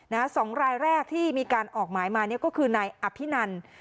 สองรายแรกที่มีการออกหมายมาเนี่ยก็คือนายอภินัน